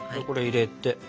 これ入れて。